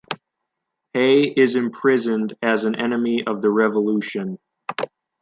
Hay is imprisoned as an enemy of the Revolution.